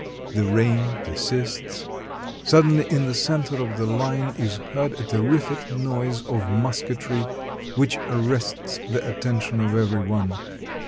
The rain persists ; suddenly in the center of the line is heard a terrific noise of musketry, which arrests the attention of every one.